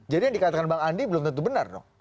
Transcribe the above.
jadi yang dikatakan bang andi belum tentu benar dong